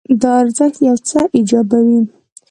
دا ارزښت یو څه ایجابوي.